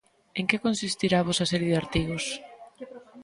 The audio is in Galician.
En que consistirá a vosa serie de artigos?